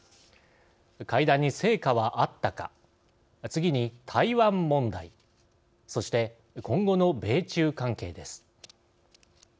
会談に成果はあったか次に台湾問題そして今後の米中関係です。